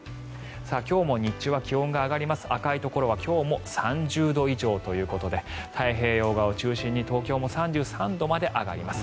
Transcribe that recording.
今日も日中は気温が上がります赤いところは今日も３０度以上ということで太平洋側を中心に東京も３３度まで上がります。